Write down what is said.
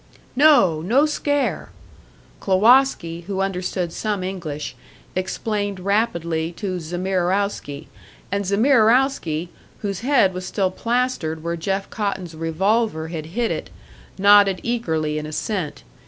"No no scare!" Klowoski, who understood some English, explained rapidly to Zamierowski; and Zamierowski, whose head was still plastered where Jeff Cotton's revolver had hit it, nodded eagerly in assent.